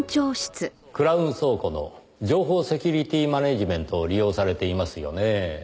クラウン倉庫の情報セキュリティマネジメントを利用されていますよね。